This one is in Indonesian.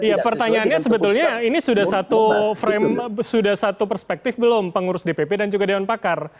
ya pertanyaannya sebetulnya ini sudah satu perspektif belum pengurus dpp dan juga dewan pakar